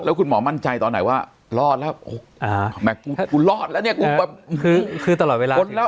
แล้วคุณหมอมั่นใจตอนไหนว่ารอดแล้วคุณรอดแล้วเนี่ยคือตลอดเวลา